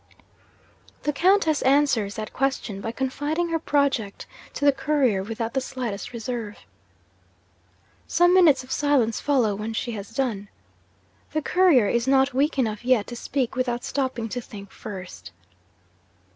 'The Countess answers that question by confiding her project to the Courier, without the slightest reserve. 'Some minutes of silence follow when she has done. The Courier is not weak enough yet to speak without stopping to think first.